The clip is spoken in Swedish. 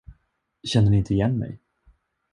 Känner ni inte igen mig?